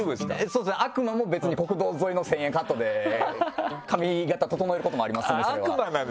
そうですね悪魔も別に国道沿いの１０００円カットで髪形整えることもありますんで。